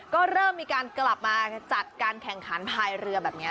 ก็เริ่มมีการกลับมาจัดการแข่งขันภายเรือแบบนี้